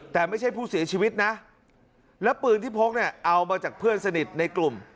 แต่ไม่ใช่ผู้เสียชีวิตนะแล้วปืนที่พกเนี่ยเอามาจากเพื่อนสนิทในกลุ่ม